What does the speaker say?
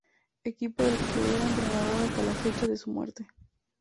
Equipo del que era entrenador hasta la fecha de su muerte.